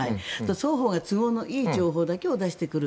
双方が都合のいい情報だけを出してくる。